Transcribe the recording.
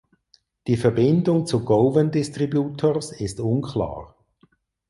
Die Verbindung zu "Gowan Distributors" ist unklar.